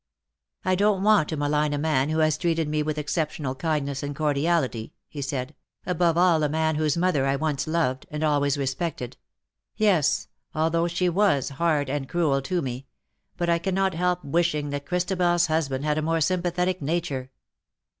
" I don^t want to malign a man who has treated me with exceptional kindness and cordiality ,^^ he said, " above all a man whose mother I once loved, and always respected — yes, although she was hard and cruel to me — but I cannot help wishing that ChristabeFs husband had a more sympathetic nature.